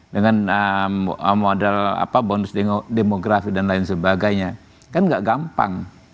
dengan model bonus demografi dan lain sebagainya kan nggak gampang